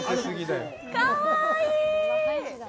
かわいい。